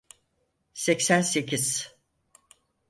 Seksen sekiz.